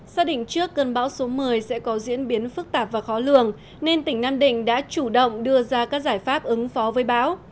xác định trước cơn bão số một mươi sẽ có diễn biến phức tạp và khó lường nên tỉnh nam định đã chủ động đưa ra các giải pháp ứng phó với bão